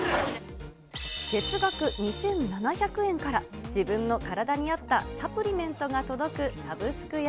月額２７００円から、自分の体に合ったサプリメントが届くサブスクや。